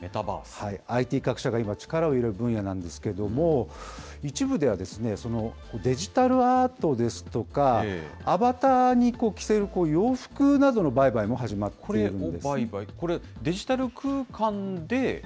ＩＴ各社が今、力を入れる分野なんですけれども、一部では、そのデジタルアートですとか、アバターに着せる洋服などの売買も始まっているんです。